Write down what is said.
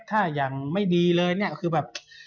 ถ้าอย่างไม่ดีเลยเนี่ยก็คือแบบ